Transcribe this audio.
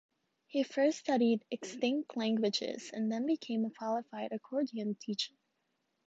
He first studied extinct languages and then became a qualified accordion teacher.